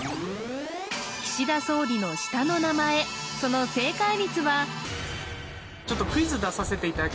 岸田総理の下の名前そのふみ？